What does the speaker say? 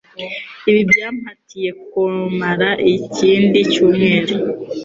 Ibi byampatiye kumara ikindi cyumweru.